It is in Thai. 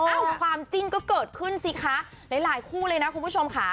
ความจริงก็เกิดขึ้นสิคะหลายคู่เลยนะคุณผู้ชมค่ะ